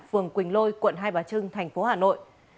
phường quỳnh lôi quận hai bà trưng thành phố hà nội